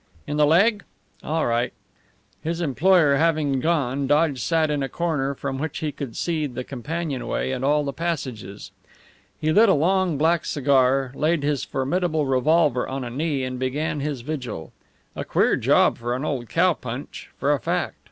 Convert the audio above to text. "In the leg? All right." His employer having gone, Dodge sat in a corner from which he could see the companionway and all the passages. He lit a long black cigar, laid his formidable revolver on a knee, and began his vigil. A queer job for an old cow punch, for a fact.